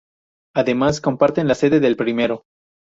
Además comparten la sede del primero.